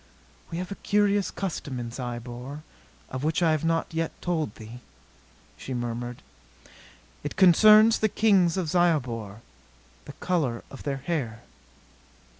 "We have a curious custom in Zyobor of which I have not yet told thee," she murmured. "It concerns the kings of Zyobor. The color of their hair."